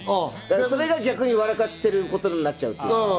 それが逆に笑かしてることになっちゃうっていうか。